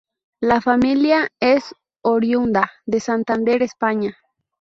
La familia es oriunda de Santander, España.